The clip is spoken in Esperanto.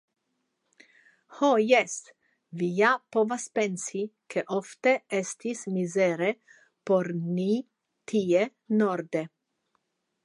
Ho jes, vi ja povas pensi, ke ofte estis mizere por ni tie norde.